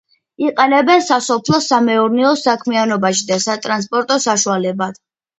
იყენებენ სასოფლო-სამეურნეო საქმიანობაში და სატრანსპორტო საშუალებად.